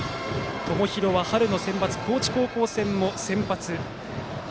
友廣は春センバツ高知高校戦も先発。